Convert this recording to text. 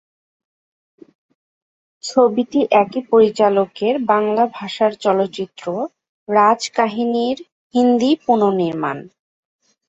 ছবিটি একই পরিচালকের বাংলা ভাষার চলচ্চিত্র "রাজকাহিনী"র হিন্দি পুনঃনির্মাণ।